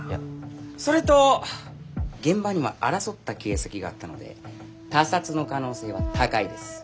それと現場には争った形跡があったので他殺の可能性は高いです。